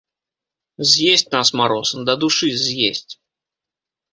З'есць нас мароз, дадушы, з'есць.